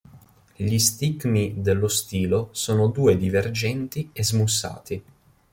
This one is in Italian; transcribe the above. Gli stigmi dello stilo sono due divergenti e smussati.